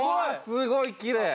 すごいきれい！